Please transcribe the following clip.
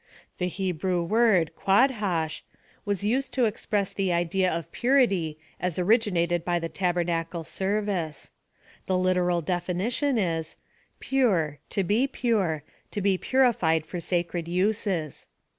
The Hebrew word ^np quadhosh, was used to express the idea of purity as originated by the tabernacle service. The literal definition is, piire^ to be pure, to be piirijicd for sacred uses.